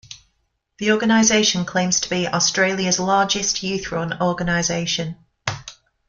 The organisation claims to be Australia's largest youth-run organisation.